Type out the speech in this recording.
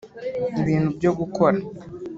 ibintu byo gukora